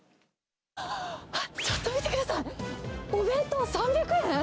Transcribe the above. あった、ちょっと見てください、お弁当、３００円？